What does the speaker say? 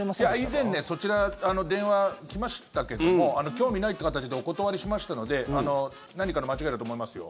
以前、そちら電話来ましたけども興味ないって形でお断りしましたので何かの間違いだと思いますよ。